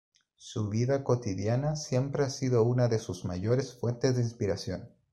Su vida cotidiana siempre ha sido una de sus mayores fuentes de inspiración.